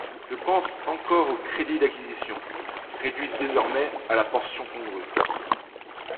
Je pense encore aux crédits d’acquisition, réduits désormais à la portion congrue.